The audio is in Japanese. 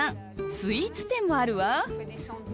スイーツ店もあるわ。